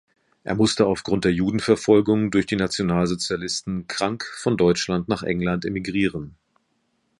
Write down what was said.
Er musste aufgrund der Judenverfolgung durch die Nationalsozialisten krank von Deutschland nach England emigrieren.